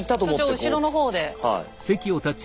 所長後ろの方で。